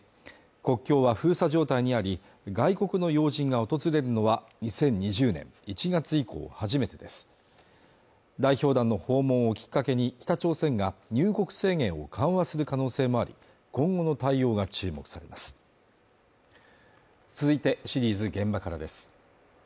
国境は封鎖状態にあり外国の要人が訪れるのは２０２０年１月以降初めてです代表団の訪問をきっかけに北朝鮮が入国制限を緩和する可能性もあり今後の対応が注目されます続いてシリーズ「現場から」です